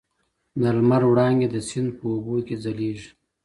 د لمر وړانګې د سیند په اوبو کې ځلېږي.